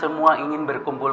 aku akan gunakan waktu ini